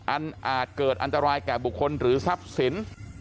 อาจเกิดอันตรายแก่บุคคลหรือทรัพย์สิน